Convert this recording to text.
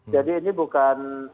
jadi ini bukan